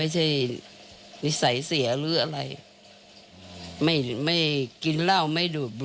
ส่วนเรื่องผู้หญิงล่ะครับ